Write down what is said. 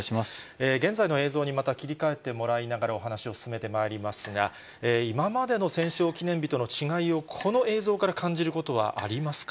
現在の映像にまた切り替えてもらいながら、お話を進めてまいりますが、今までの戦勝記念日との違いをこの映像から感じることはあります